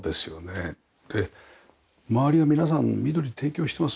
で周りの皆さん緑提供してます。